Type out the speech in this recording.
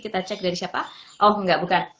kita cek dari siapa oh enggak bukan